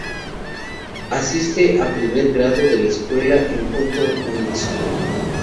Asiste a primer grado de la escuela en Oakland Public School.